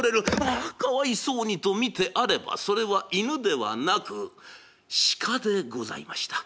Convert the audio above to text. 「ああかわいそうに」と見てあればそれは犬ではなく鹿でございました。